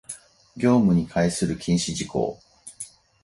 業務に関する禁止事項